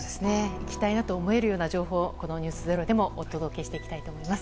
行きたいなと思えるような情報を「ｎｅｗｓｚｅｒｏ」でもお届けしていきたいと思います。